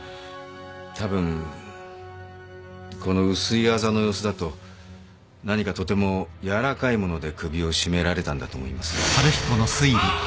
たぶんこの薄いあざの様子だと何かとても軟らかいもので首を絞められたんだと思います。